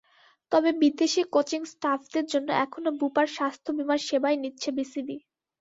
তবে বিদেশি কোচিং স্টাফদের জন্য এখনো বুপার স্বাস্থ্যবিমার সেবাই নিচ্ছে বিসিবি।